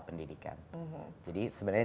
pendidikan jadi sebenarnya